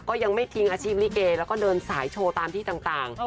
ก็ยังไม่ทิ้งอาชีพลิเกแล้วก็เดินสายโชว์ตามที่ต่าง